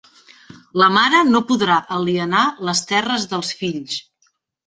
La mare no podrà alienar les terres dels fills.